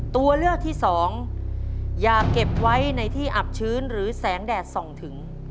ตัวเลือกที่สองอย่าเก็บไว้ในที่อับชื้นหรือแสงแดดส่องถึง